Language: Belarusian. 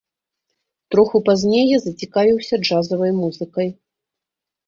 Троху пазней я зацікавіўся джазавай музыкай.